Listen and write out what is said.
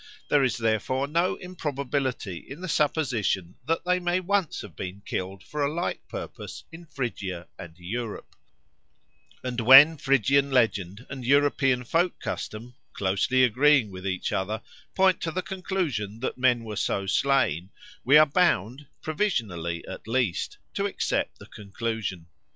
There is therefore no improbability in the supposition that they may once have been killed for a like purpose in Phrygia and Europe; and when Phrygian legend and European folk custom, closely agreeing with each other, point to the conclusion that men were so slain, we are bound, provisionally at least, to accept the conclusion.